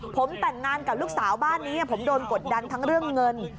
ผมแต่งงานกับลูกสาวบ้านนี้ผมโดนกดดันทั้งเรื่องเงิน